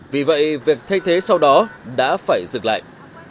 vì vậy việc thay thế sau đó đã phải dừng lại